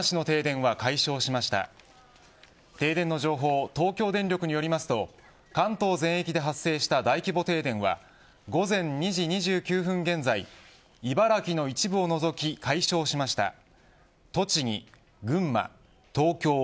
停電の情報東京電力によりますと関東全域で発生した大規模停電は午前２時２９分現在茨城の一部を除き解消しました。